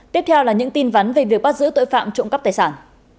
tiếp theo là những tin vắn về việc bắt giữ tội phạm trộm cắp tài sản